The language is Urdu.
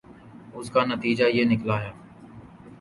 اس کا نتیجہ یہ نکلا ہے